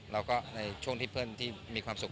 แล้วก็ในช่วงที่เพื่อนที่มีความสุข